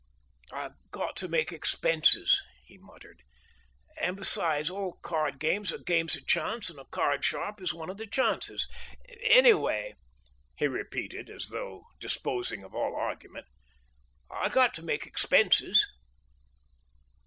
"I got to make expenses," he muttered. "And, besides, all card games are games of chance, and a card sharp is one of the chances. Anyway," he repeated, as though disposing of all argument, "I got to make expenses."